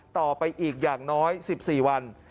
ต่อไปอีกอย่างน้อย๑๔วัน